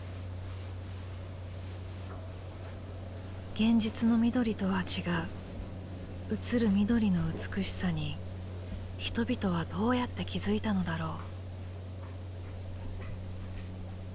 現実の緑とは違う映る緑の美しさに人々はどうやって気付いたのだろう。